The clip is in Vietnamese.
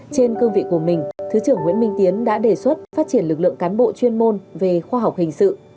trên cương vị của mình thứ trưởng nguyễn minh tiến đã đề xuất phát triển lực lượng cán bộ chuyên môn về khoa học hình sự